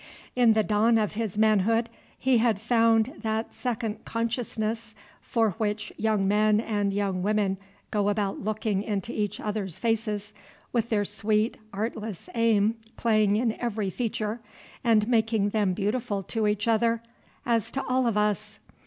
In the dawn of his manhood he had found that second consciousness for which young men and young women go about looking into each other's faces, with their sweet, artless aim playing in every feature, and making them beautiful to each other, as to all of us.